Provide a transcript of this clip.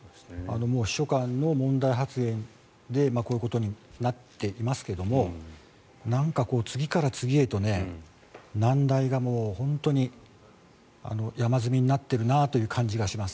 秘書官の問題発言でこういうことになっていますがなんか、次から次へと難題が本当に山積みになっているなという感じがします。